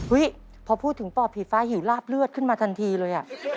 พอพูดถึงปอบผีฟ้าหิวลาบเลือดขึ้นมาทันทีเลย